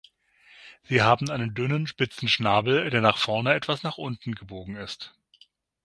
Sie haben einen dünnen, spitzen Schnabel, der nach vorne etwas nach unten gebogen ist.